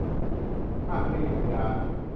อ่ะ ไม่มีปัญญา